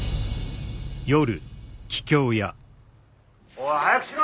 おい早くしろ！